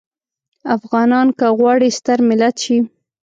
افغانان که غواړي ستر ملت شي.